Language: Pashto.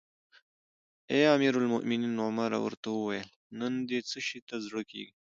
اې امیر المؤمنینه! عمر ورته وویل: نن دې څه شي ته زړه کیږي؟